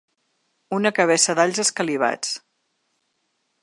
Una cabeça d’alls escalivats.